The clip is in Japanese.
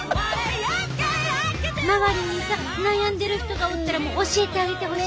周りにさ悩んでる人がおったら教えてあげてほしいね！